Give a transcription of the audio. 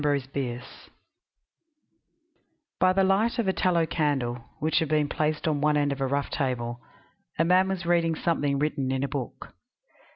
Putnam's Sons I By THE light of a tallow candle, which had been placed on one end of a rough table, a man was reading something written in a book.